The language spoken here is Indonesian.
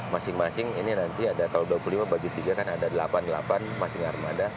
masing masing ini nanti ada kalau dua puluh lima bagi tiga kan ada delapan delapan masih harus ada